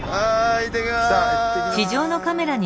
行ってきます！